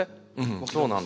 そうなんですよね。